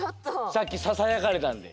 さっきささやかれたんで。